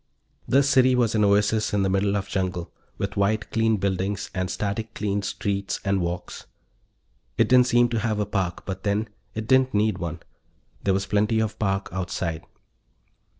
The city was an oasis in the middle of jungle, with white clean buildings and static cleaned streets and walks. It didn't seem to have a park, but, then, it didn't need one. There was plenty of park outside.